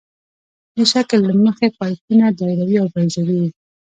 د شکل له مخې پایپونه دایروي او بیضوي وي